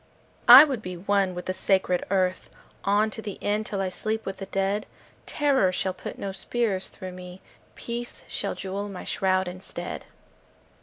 I would be one with the sacred earth On to the end, till I sleep with the dead. Terror shall put no spears through me. Peace shall jewel my shroud instead.